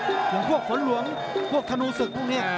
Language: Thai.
อย่างพวกฝนหลวงพวกธนูศึกพวกนี้